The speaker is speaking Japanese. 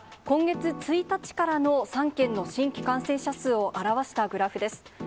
今月１日からの３県の新規感染者数を表したグラフです。